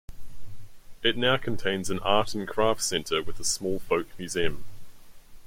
It now contains an art and craft centre with a small folk museum.